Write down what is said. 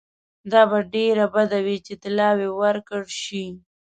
دا به ډېره بده وي چې طلاوي ورکړه شي.